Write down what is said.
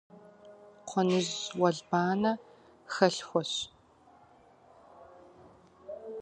Кхъуэныжь уэлбанэ хэлъхуэщ.